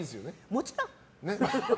もちろん！